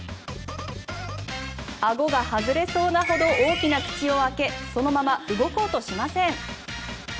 あごが外れそうなほど大きな口を開けそのまま動こうとしません。